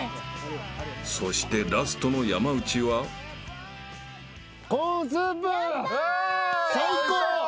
［そしてラストの山内は］最高。